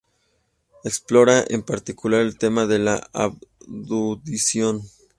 Explora en particular el tema de la abducción.